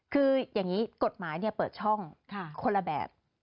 คืออย่างนี้กฎหมายเปิดช่องคนละแบบ